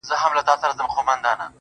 مُلا سړی شو په خپل وعظ کي نجلۍ ته ويل